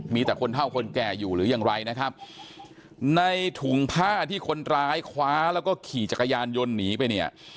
มีแต่คนเท่าคนแก่อยู่หรือยังไรนะครับในถุงผ้าที่คนร้ายคว้าแล้วก็ขี่จักรยานยนต์หนีไปเนี่ย